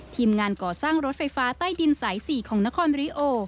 ทีมงานก่อสร้างรถไฟฟ้าใต้ดินสาย๔ของนครริโอ